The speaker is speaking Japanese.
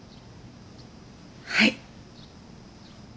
はい。